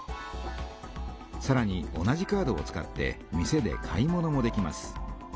さらに同じカードを使って店で買い物もできます。